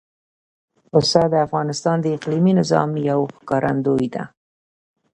پسه د افغانستان د اقلیمي نظام یو ښکارندوی ده.